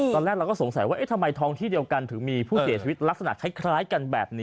ตอนแรกเราก็สงสัยว่าทำไมท้องที่เดียวกันถึงมีผู้เสียชีวิตลักษณะคล้ายกันแบบนี้